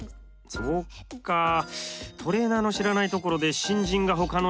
そっかトレーナーの知らないところで新人がほかの仕事にアサイン。